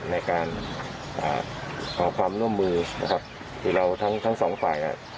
ในการอ่าขอความร่วมมือนะครับคือเราทั้งทั้งสองฝ่ายอ่ะ